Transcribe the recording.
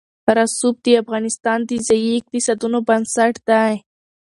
رسوب د افغانستان د ځایي اقتصادونو بنسټ دی.